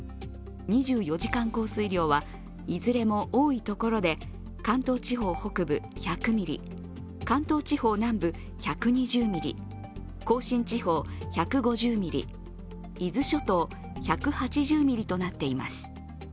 ２４時間降水量はいずれも多いところで関東地方北部１００ミリ、関東地方南部１２０ミリ、甲信地方１５０ミリ、伊豆諸島１８０ミリとなっています。